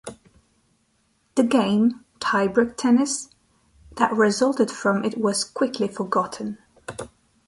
The game, Tie Break Tennis, that resulted from it was quickly forgotten.